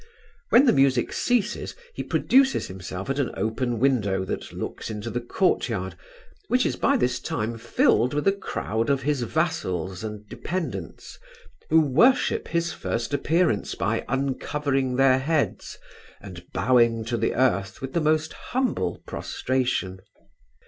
When the music ceases, he produces himself at an open window that looks into the courtyard, which is by this time filled with a crowd of his vassals and dependents, who worship his first appearance, by uncovering their heads, and bowing to the earth with the most humble prostration.